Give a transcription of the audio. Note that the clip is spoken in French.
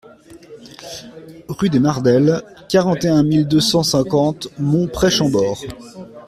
Rue des Mardelles, quarante et un mille deux cent cinquante Mont-près-Chambord